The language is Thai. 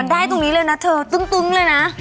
ดีเลยเหรอ